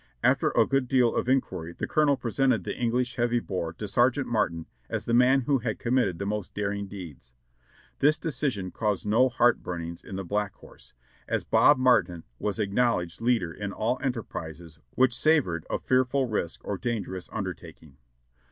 After a good deal of inquiry the Colonel presented the English heavy bore to Sergeant Martin as the man who had committed the most daring deeds. This decision caused no heart burnings in the Black Horse, as Bob Martin was the acknowledged leader in all enterprises which savored of fearful risk or dangerous undertaking.